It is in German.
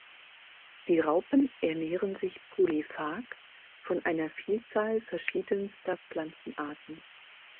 Die Raupen ernähren sich polyphag von einer Vielzahl verschiedenster Pflanzenarten.